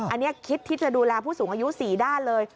อันนี้คิดที่จะดูแลผู้สูงอายุ๔ด้านเลย